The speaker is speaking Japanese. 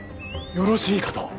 よろしいかと。